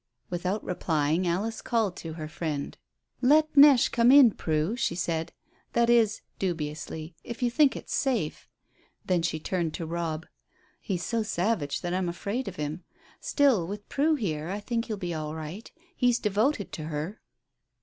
Without replying, Alice called to her friend. "Let Neche come in, Prue," she said. "That is" dubiously "if you think it's safe." Then she turned to Robb. "He's so savage that I'm afraid of him. Still, with Prue here, I think he'll be all right; he's devoted to her."